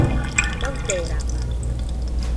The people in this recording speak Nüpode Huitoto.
Faɨdorama